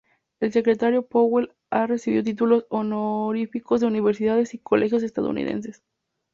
El secretario Powell ha recibido títulos honoríficos de universidades y colegios estadounidenses.